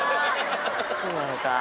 そうなのか。